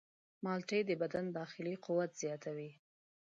مالټه د بدن داخلي قوت زیاتوي.